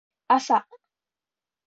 朝